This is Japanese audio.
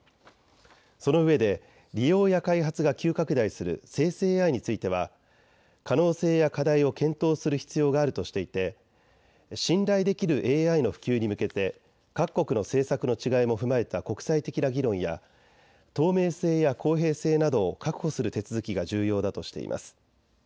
そのうえで利用や開発が急拡大する生成ＡＩについては可能性や課題を検討する必要があるとしていて信頼できるＡＩの普及に向けて各国の政策の違いも踏まえた国際的な議論や透明性や公平性などを確保する手続きが重要だとしています。